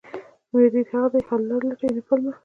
مدیر هغه دی چې حل لارې لټوي، نه پلمه